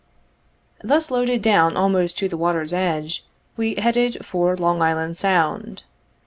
Thus loaded down almost to the water's edge, we headed for Long Island Sound.